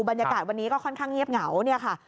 บรรยากาศวันนี้ก็ค่อนข้างเงียบเหงาเนี่ยค่ะ